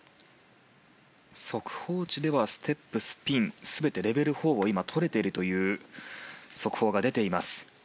速報値ではステップスピン全てレベル４を取れているという速報が出ています。